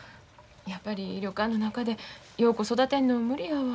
やっぱり旅館の中で陽子育てるのは無理やわ。